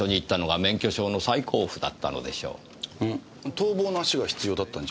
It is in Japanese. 逃亡の足が必要だったんじゃ。